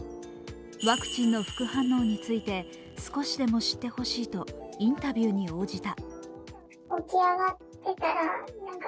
ワクチンの副反応について少しでも知ってほしいとインタビューに応じた。